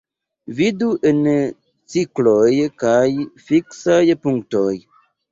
Vidu en cikloj kaj fiksaj punktoj.